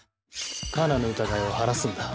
カナの疑いを晴らすんだ。